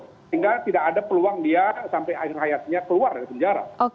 sehingga tidak ada peluang dia sampai akhir hayatnya keluar dari penjara